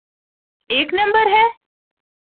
ایک نمبر ہے؟